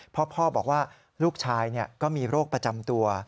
พ่อบอกว่าลูกชายก็มีโรคประจำตัว